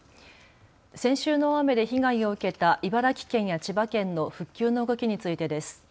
先週の大雨で被害を受けた茨城県や千葉県の復旧の動きについてです。